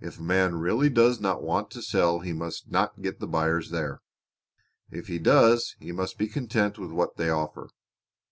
If a man really does not want to sell he must not get the buyers there; if he does he must be content with what they offer.